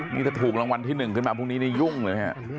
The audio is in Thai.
นี่ถ้าถูกรางวัลที่๑ขึ้นมาพรุ่งนี้นี่ยุ่งเลยฮะ